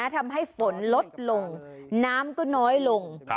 ทำให้ฝนลดลงน้ำก็น้อยลง